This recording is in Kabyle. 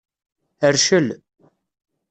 Rcel.